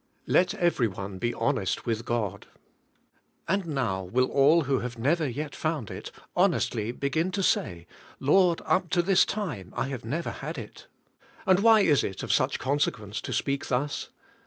Let every one be honest with God. And now, will all who have never yet found it honestly, begin to say, "Lord, up to this time I have never had it?" And why is it of such con sequence to speak thus?